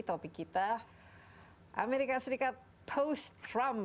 topik kita amerika serikat post trump